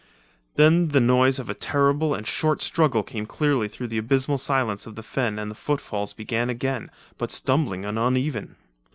Then the noise of a terrible and short struggle came clearly through the abysmal silence of the night and the footfalls began again, but stumbling and uneven.